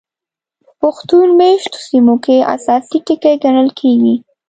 په پښتون مېشتو سیمو کې اساسي ټکي ګڼل کېږي.